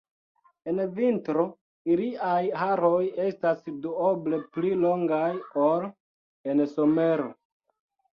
En vintro iliaj haroj estas duoble pli longaj ol en somero.